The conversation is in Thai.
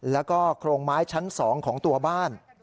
แล้วก็โครงไม้ชั้น๒ของตัวบ้าน